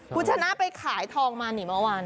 คุณชนะไปขายทองมานี่เมื่อวาน